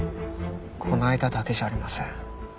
この間だけじゃありません。